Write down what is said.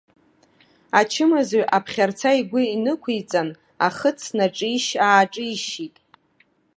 Ачымазаҩ аԥхьарца игәы инықәиҵан, ахыц наҿишь-ааҿишьит.